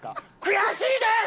悔しいです！！